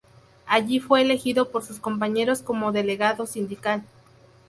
Allí fue elegido por sus compañeros como delegado sindical.